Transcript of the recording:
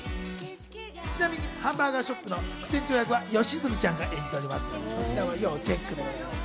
ちなみにハンバーガーショップの副店長役は吉住ちゃんが演じているんです。